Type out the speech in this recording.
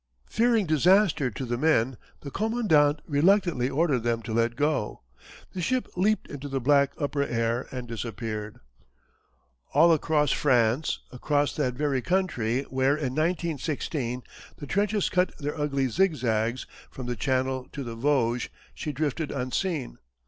Fearing disaster to the men the commandant reluctantly ordered them to let go. The ship leaped into the black upper air and disappeared. All across France, across that very country where in 1916 the trenches cut their ugly zigzags from the Channel to the Vosges, she drifted unseen.